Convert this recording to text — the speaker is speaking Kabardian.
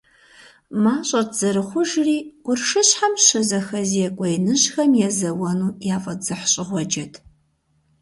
МащӀэт зэрыхъужри, къуршыщхьэм щызэхэзекӀуэ иныжьхэм езэуэну яфӀэдзыхьщӀыгъуэджэт.